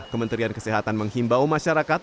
kementerian kesehatan menghimbau masyarakat